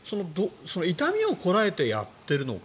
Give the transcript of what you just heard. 痛みをこらえてやっているのか